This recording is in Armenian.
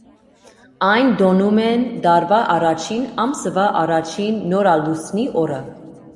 Այն տոնում են տարվա առաջին ամսվա առաջին նորալուսնի օրը։